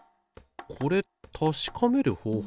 これたしかめる方法ないかな？